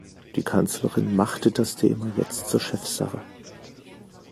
Die Kanzlerin machte das Thema jetzt zur Chefsache.